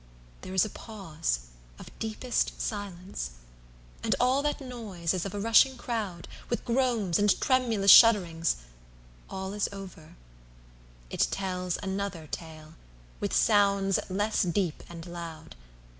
there is a pause of deepest silence! And all that noise, as of a rushing crowd, With groans, and tremulous shudderings—all is over—It tells another tale, with sounds less deep and loud!